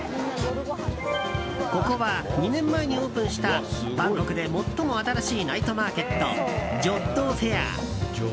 ここは、２年前にオープンしたバンコクで最も新しいナイトマーケットジョッドフェア。